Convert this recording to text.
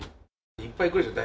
いっぱい来るでしょう。